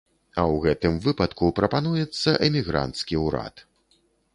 А ў гэтым выпадку прапануецца эмігранцкі ўрад.